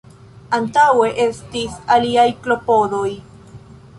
Antaŭe estis aliaj klopodoj.